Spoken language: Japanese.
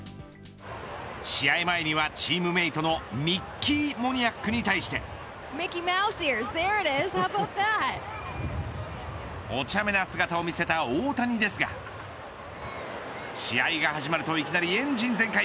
試合前には、チームメートのミッキー・モニヤックに対してお茶目な姿を見せた大谷ですが試合が始まるといきなりエンジン全開。